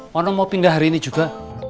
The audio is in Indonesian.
mono mau pindah hari ini juga